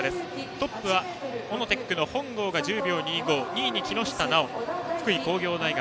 トップはオノテックの本郷１０秒２５２位に木下直、福井工業大学。